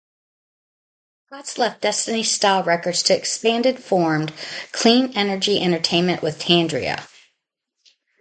Potts left Destiny Style Records to expanded formed Clean Energy Entertainment with Tandria.